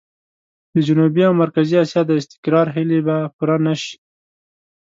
د جنوبي او مرکزي اسيا د استقرار هيلې به پوره نه شي.